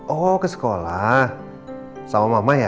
oh ke sekolah sama mama ya